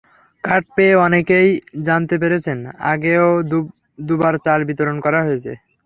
Card পেয়ে অনেকেই জানতে পেরেছেন, আগেও দুবার চাল বিতরণ করা হয়েছে।